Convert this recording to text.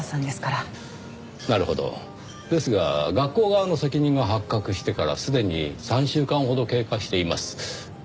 学校側の責任が発覚してからすでに３週間ほど経過しています。